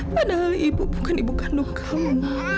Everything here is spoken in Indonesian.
padahal ibu bukan ibu kandung kamu